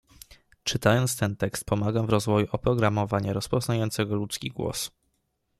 Czytając ten tekst pomagam w rozwoju oprogramowania rozpoznającego ludzki głos.